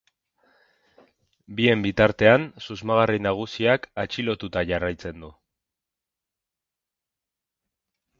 Bien bitartean, susmagarri nagusiak atxilotuta jarraitzen du.